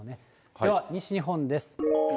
では西日本です。